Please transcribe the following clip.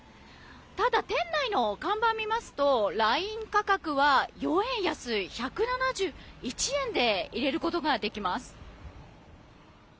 ただ、店内の看板を見ますとＬＩＮＥ価格は４円安い１７１円で入れることができます。